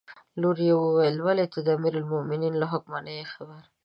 لور یې وویل: ولې ته د امیرالمؤمنین له حکمه نه یې خبره.